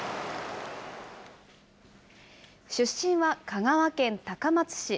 出身は香川県高松市。